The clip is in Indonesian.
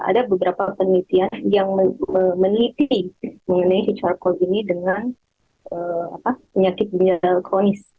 ada beberapa penelitian yang meneliti mengenai charcoal ini dengan penyakit ginjal kronis